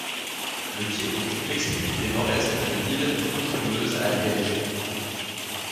Le quai occupe l'extrémité nord-est de l'île d'Outremeuse à Liège.